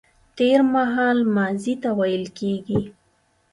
تېرمهال ماضي ته ويل کيږي